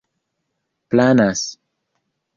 planas